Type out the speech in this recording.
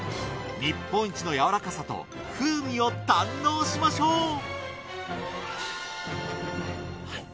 日本一の柔らかさと風味を堪能しましょう！